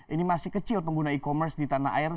ini masih kecil pengguna e commerce di tanah air